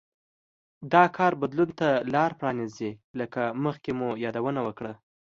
دا کار بدلون ته لار پرانېزي لکه مخکې مو یادونه وکړه